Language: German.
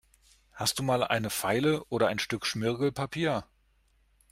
Hast du mal eine Feile oder ein Stück Schmirgelpapier?